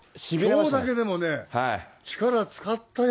きょうだけでもね、力使ったよ。